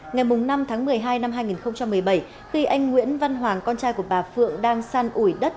ngày năm tháng một mươi hai năm hai nghìn một mươi bảy khi anh nguyễn văn hoàng con trai của bà phượng đang san ủi đất